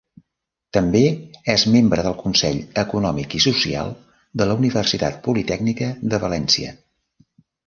També és membre del Consell Econòmic i Social de la Universitat Politècnica de València.